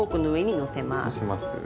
のせます。